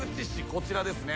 こちらですね。